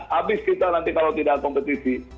habis kita nanti kalau tidak kompetisi